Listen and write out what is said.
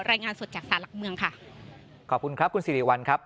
รายงานสดจากสารหลักเมืองค่ะขอบคุณครับคุณสิริวัลครับ